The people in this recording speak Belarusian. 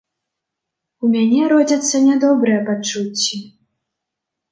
У мяне родзяцца нядобрыя пачуцці.